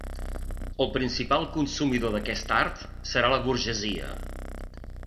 El principal consumidor d'aquest art serà la burgesia.